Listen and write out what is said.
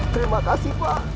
terima kasih pak